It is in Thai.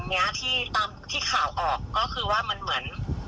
มีโชว์แบบหวาดเสียวขนาดนั้น